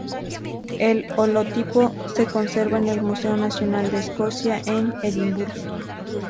El holotipo se conserva en el Museo Nacional de Escocia, en Edimburgo.